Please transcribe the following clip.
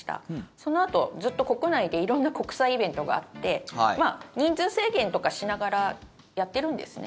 そのあとずっと国内で色んな国際イベントがあって人数制限とかしながらやっているんですね。